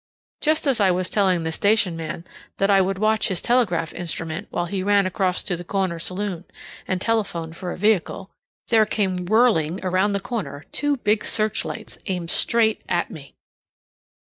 Just as I was telling the station man that I would watch his telegraph instrument while he ran across to the corner saloon and telephoned for a vehicle, there came whirling around the corner two big searchlights aimed straight at me.